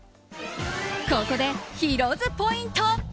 ここでヒロ’ｓポイント。